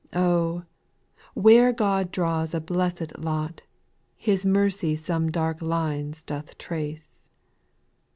Oh ! where God draws a blessed lot, His mercy some dark lines doth trace.